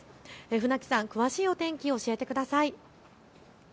船木さん、詳しいお天気を教えてください。